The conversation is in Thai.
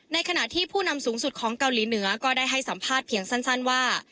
ขณะที่ผู้นำสูงสุดของเกาหลีเหนือก็ได้ให้สัมภาษณ์เพียงสั้นว่า